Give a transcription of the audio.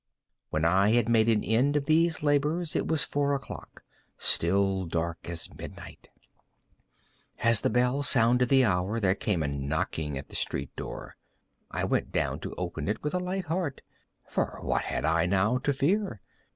When I had made an end of these labors, it was four o'clock—still dark as midnight. As the bell sounded the hour, there came a knocking at the street door. I went down to open it with a light heart,—for what had I now to fear?